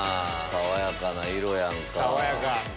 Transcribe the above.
爽やかな色やんか。爽やか。